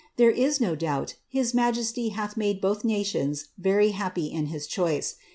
There is no doubt his majesty hath >th nations very happy in his choice.